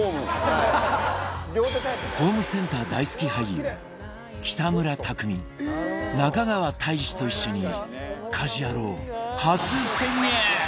ホームセンター大好き俳優北村匠海中川大志と一緒に『家事ヤロウ！！！』初潜入！